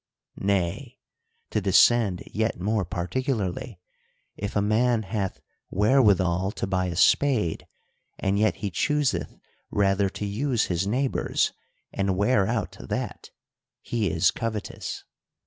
— Nay, to descend yet more particularly ; if a man hath wherewithal to buy a spade, and yet he chooseth rather to use his neighbor's and wear out that, he is covetous.